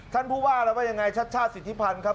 ท่านผู้ว่าแล้วว่ายังไงชัดชาติสิทธิพันธ์ครับ